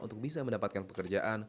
untuk bisa mendapatkan pekerjaan